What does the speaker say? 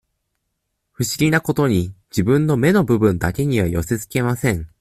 不思議なことに、自分の目の部分だけには寄せつけません。